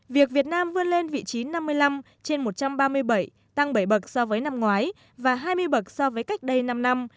việc việt nam vươn lên vị trí năm mươi năm trên một trăm ba mươi bảy tăng bảy bậc so với năm ngoái và hai mươi bậc so với cách đây năm năm